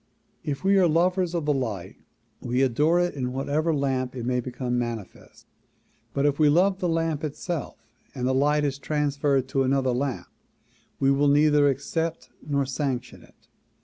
If we are lovers of the light we adore it in whatever lamp it may become manifest but if we love the lamp itself and the light is transferred to another lamp we will neither accept nor sanction it.